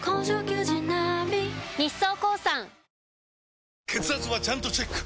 ペイトク血圧はちゃんとチェック！